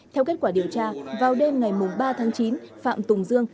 theo kết quả điều tra vào đêm ngày ba tháng chín phạm tùng dương